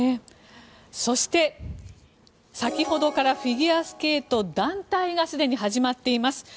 そして、先ほどからフィギュアスケート団体がすでに始まっています。